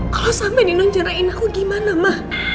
kalau sampai nino nyerahin aku gimana ma